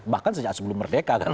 bahkan sejak sebelum merdeka kan